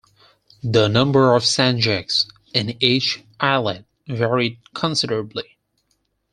The number of sanjaks in each eyalet varied considerably.